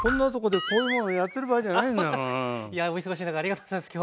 いやお忙しい中ありがとうございます今日は。